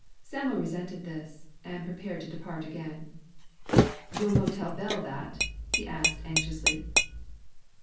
Sam'l resented this, and prepared to depart again. "Ye'll no tell Bell that?" he asked, anxiously.